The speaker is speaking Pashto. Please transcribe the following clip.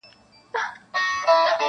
خو زړه کي سيوری شته تل,